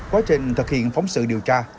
quá trình thực hiện phóng sự điều tra